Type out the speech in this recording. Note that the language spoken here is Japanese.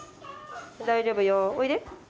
大丈夫よおいで。